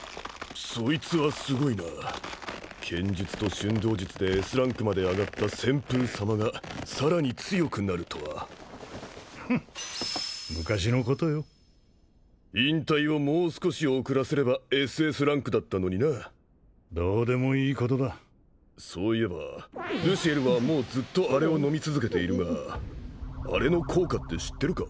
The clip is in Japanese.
そいつはすごいな剣術と瞬動術でＳランクまで上がった旋風様がさらに強くなるとはフッ昔のことよ引退をもう少し遅らせればＳＳランクだったのになどうでもいいことだそういえばルシエルはもうずっとアレを飲み続けているがアレの効果って知ってるか？